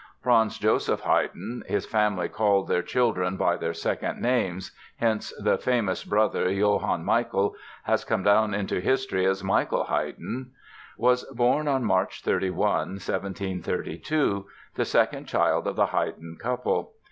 Franz Joseph Haydn (his family called their children by their second names—hence the famous brother, Johann Michael, has come down into history as Michael Haydn) was born on March 31, 1732, the second child of the Haydn couple.